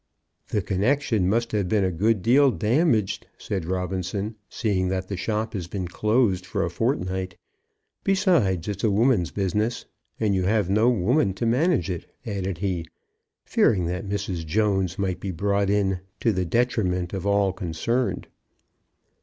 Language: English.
"The connection must have been a good deal damaged," said Robinson, "seeing that the shop has been closed for a fortnight. Besides, it's a woman's business; and you have no woman to manage it," added he, fearing that Mrs. Jones might be brought in, to the detriment of all concerned.